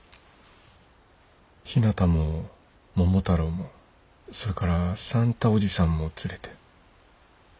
ひなたも桃太郎もそれから算太伯父さんも連れて。